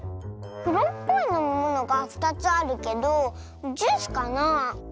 くろっぽいのみものが２つあるけどジュースかなあ。